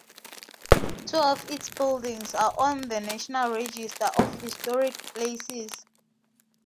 Two of its buildings are on the National Register of Historic Places.